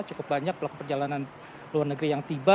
cukup banyak pelaku perjalanan luar negeri yang tiba